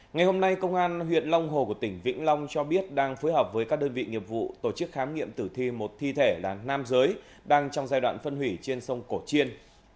ngày hôm nay công an huyện long hồ của tỉnh vĩnh long cho biết đang phối hợp với các đơn vị nghiệp vụ tổ chức khám nghiệm tử thi một thi thể là nam giới đang trong giai đoạn phân hủy trên sông cổ chiên